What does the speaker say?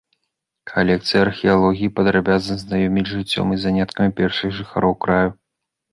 Калекцыя археалогіі падрабязна знаёміць з жыццём і заняткамі першых жыхароў краю.